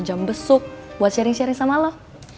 jam besuk buat sharing sharing sama lo